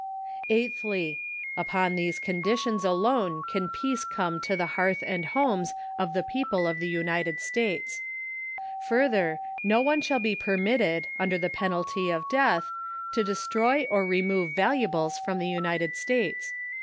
Ei(jhlhly —Viion these conditio::s alone can peace come THE CONSPIRATOKS AND LOVERS. 375 to the hearth and homes of the people of the United States. Further, no one shall be permitted, under the penalty of death, to destroy or remove valuables from the United States.